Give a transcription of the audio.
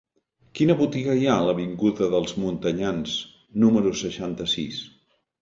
Quina botiga hi ha a l'avinguda dels Montanyans número seixanta-sis?